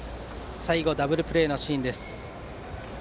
最後、ダブルプレーのシーンです。